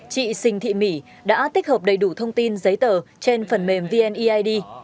chị sinh thị mỹ đã tích hợp đầy đủ thông tin giấy tờ trên phần mềm vneid